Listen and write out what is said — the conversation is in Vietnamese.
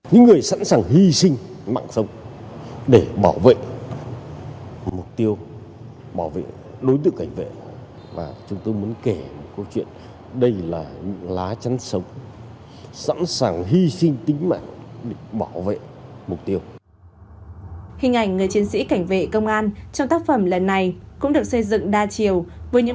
hình ảnh người chiến sĩ cảnh vệ công an trong tác phẩm lần này cũng được xây dựng đa chiều với những